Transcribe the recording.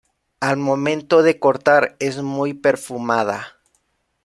Al momento de cortar es muy perfumada.